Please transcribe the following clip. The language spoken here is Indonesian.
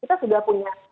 kita sudah punya